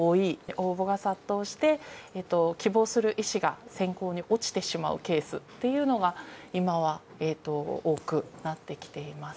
応募が殺到して、希望する医師が選考に落ちてしまうケースというのが、今は多くなってきています。